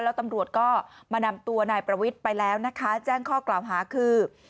แล้วตำรวจก็มานำตัวนายประวิทย์ไปแล้วนะคะแจ้งข้อกล่าวหาคือ